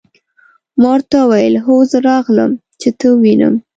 ما ورته وویل: هو زه راغلم، چې ته ووینم.